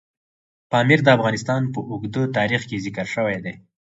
پامیر د افغانستان په اوږده تاریخ کې ذکر شوی دی.